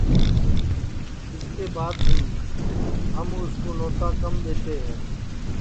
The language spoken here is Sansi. اِس کے بعد بھی ہم اُس کُو نوتا کم دؔیتے ہے